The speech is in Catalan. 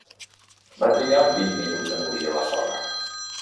Va trigar vint minuts a morir a la soga.